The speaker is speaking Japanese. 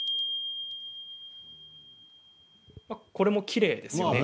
これもきれいですね。